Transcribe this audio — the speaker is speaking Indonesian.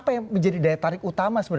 saya ingin menjawab